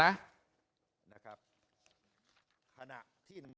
นะครับ